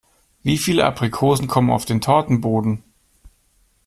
Wie viele Aprikosen kommen auf den Tortenboden?